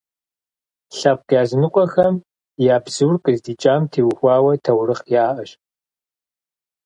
Лъэпкъ языныкъуэхэм а бзур къыздикӏам теухуа таурыхъ яӏэщ.